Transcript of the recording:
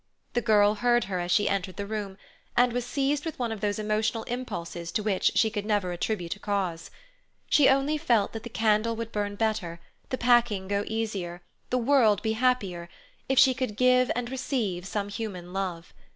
The girl heard her as she entered the room, and was seized with one of those emotional impulses to which she could never attribute a cause. She only felt that the candle would burn better, the packing go easier, the world be happier, if she could give and receive some human love.